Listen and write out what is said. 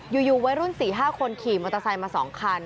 อยู่วัยรุ่นสี่ห้าคนขี่มอเตอร์ไซค์มาสองคัน